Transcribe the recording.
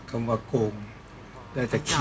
ก็ต้องทำอย่างที่บอกว่าช่องคุณวิชากำลังทำอยู่นั่นนะครับ